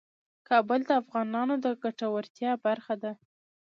کابل د افغانانو د ګټورتیا برخه ده.